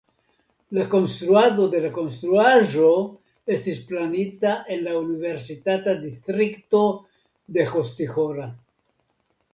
La konstruado de la konstruaĵo estis planita en la universitata distrikto de Hostihora.